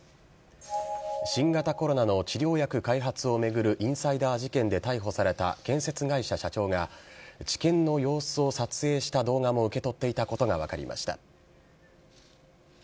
新型コロナの治療薬開発を巡るインサイダー事件で逮捕された建設会社社長が、治験の様子を撮影した動画も受け取っていたことが分かりました。